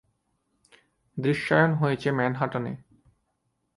দৃশ্যায়ন হয়েছে ম্যানহাটনে।